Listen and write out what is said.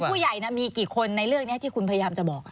ผู้ใหญ่มีกี่คนในเรื่องนี้ที่คุณพยายามจะบอก